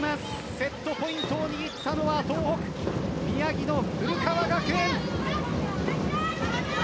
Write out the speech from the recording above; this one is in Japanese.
セットポイントを握ったのは東北・宮城の古川学園。